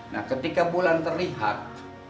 nah ketika bulan terlihat